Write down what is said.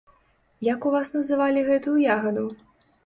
Як у вас называлі гэтую ягаду?